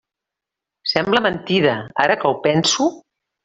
Sembla mentida, ara que ho penso.